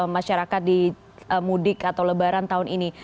masyarakat di mudik atau lebaran tahun ini